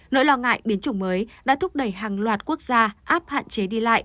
nỗi lo ngại biến chủng mới đã thúc đẩy hàng loạt quốc gia áp hạn chế đi lại